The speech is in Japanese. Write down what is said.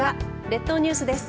列島ニュースです。